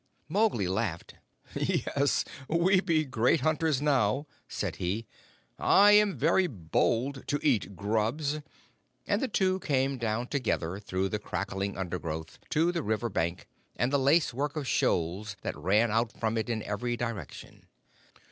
_" Mowgli laughed. "Yes, we be great hunters now," said he. "I am very bold to eat grubs," and the two came down together through the crackling undergrowth to the river bank and the lace work of shoals that ran out from it in every direction.